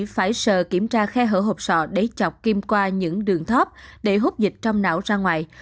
phải sờ kiểm tra khe hở hộp sọ để chọc kim qua những đường thóp để hút dịch trong não ra ngoài